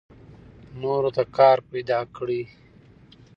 نورو ته کار پیدا کړئ.